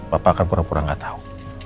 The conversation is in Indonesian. papa akan pura pura gak tau